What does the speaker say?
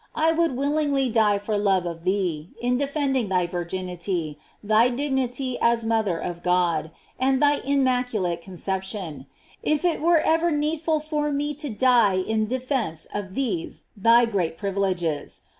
I would willingly die for love of thee, in defending thy virginity, thy dignity as mother of God, and thy immaculate conception; if it were ever needful for me to die in de fence of these thy great privileges.